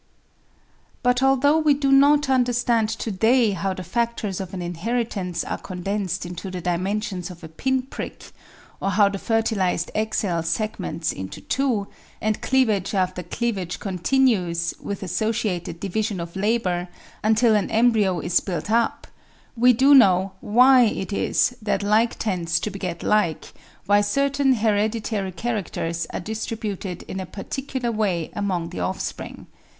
But although we do not understand to day how the factors of an inheritance are condensed into the dimensions of a pin prick ; or how the ferti lised egg cell segments into two, and cleavage after cleavage con tinues, with associated division of labour, until an embryo is built up ; we do know why it is that like tends to beget like, why certain hereditary characters are distributed in a particular way among the offspring.